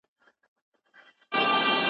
برسونه د تشناب هوا څخه خوندي وساتئ.